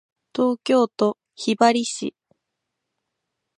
東京都雲雀市